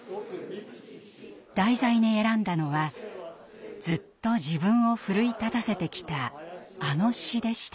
題材に選んだのはずっと自分を奮い立たせてきたあの詩でした。